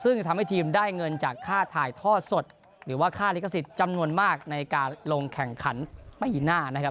ซึ่งจะทำให้ทีมได้เงินจากค่าถ่ายทอดสดหรือว่าค่าลิขสิทธิ์จำนวนมากในการลงแข่งขันป้าหิน่านะครับ